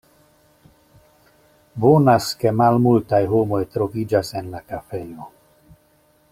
Bonas ke malmultaj homoj troviĝas en la kafejo.